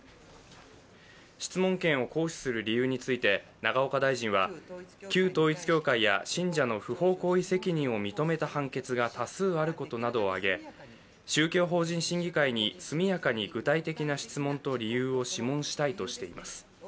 質問権を行使する理由について永岡大臣は、旧統一教会や信者の不法行為責任を認めた判決が多数あることなどを上げ宗教法人審議会に速やかに具体的な質問と理由を諮問したいとしています。